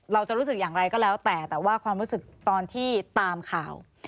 เราจะรู้สึกอย่างไรก็แล้วแต่แต่ว่าความรู้สึกตอนที่ตามข่าว